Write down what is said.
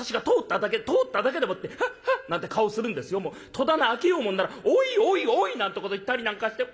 戸棚開けようもんなら『おいおいおい』なんてこと言ったりなんかして。